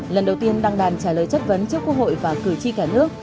lần đầu tiên đăng đàn trả lời chất vấn trước quốc hội và cử tri cả nước